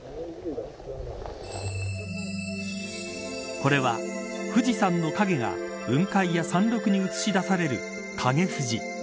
これは富士山の影が雲海や山麓に映し出される影富士。